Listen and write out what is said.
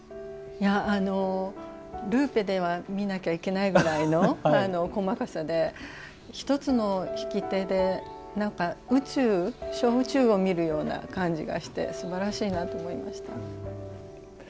いやあのルーペで見なきゃいけないぐらいの細かさで一つの引き手で小宇宙を見るような感じがしてすばらしいなと思いました。